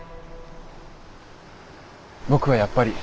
僕はやっぱり。